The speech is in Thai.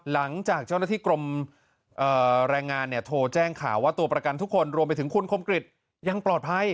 หลังจากเจ้าหน้าที่กรมแรงงานเนี่ยโทรแจ้งข่าวว่าตัวประกันทุกคนรวมไปถึงคุณคมกริจยังปลอดภัย